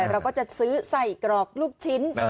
เราก็จะซื้อใส่กรอกลูกชิ้น